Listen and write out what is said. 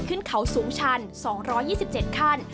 ขึ้นเขาสูงชัน๒๒๗ขั้น